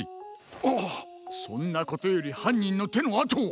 あっそんなことよりはんにんのてのあとを。